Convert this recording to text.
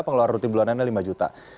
pengeluaran rutin bulanan ini lima juta